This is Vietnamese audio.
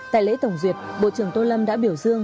tại lễ tổng duyệt bộ trưởng tô lâm đã biểu dương